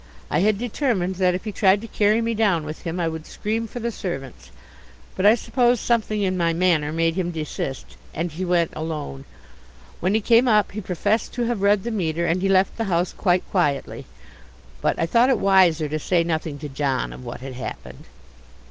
I had determined that if he tried to carry me down with him I would scream for the servants, but I suppose something in my manner made him desist, and he went alone. When he came up he professed to have read the meter and he left the house quite quietly. But I thought it wiser to say nothing to John of what had happened.